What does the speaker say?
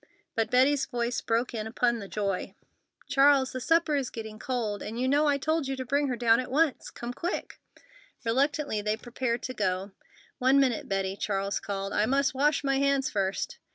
But Betty's voice broke in upon the joy: "Charles, the supper is getting cold, and you know I told you to bring her down at once. Come quick!" Reluctantly they prepared to go. "One minute, Betty!" Charles called. "I must wash my hands first!"